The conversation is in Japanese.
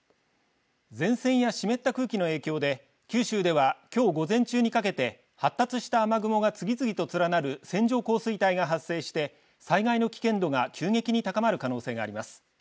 前線や湿った空気の影響で九州ではきょう午前中にかけて発達した雨雲が次々と連なる線状降水帯が発生して災害の危険度が急激に高まるおそれがあります。